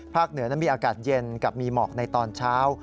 เหนือนั้นมีอากาศเย็นกับมีหมอกในตอนเช้า